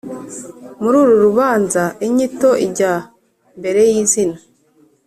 muri uru rubanza, inyito ijya mbere yizina.